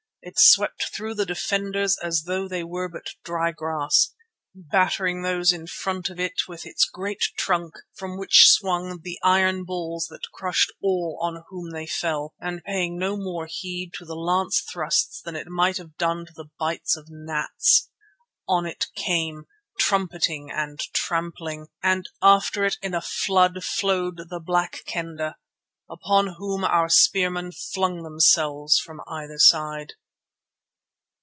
It swept through the defenders as though they were but dry grass, battering those in front of it with its great trunk from which swung the iron balls that crushed all on whom they fell, and paying no more heed to the lance thrusts than it might have done to the bites of gnats. On it came, trumpeting and trampling, and after it in a flood flowed the Black Kendah, upon whom our spearmen flung themselves from either side.